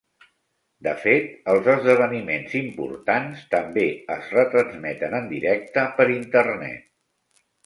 De fet, els esdeveniments importants també es retransmeten en directe per Internet.